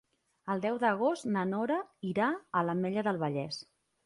El deu d'agost na Nora irà a l'Ametlla del Vallès.